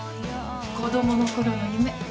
子供の頃の夢。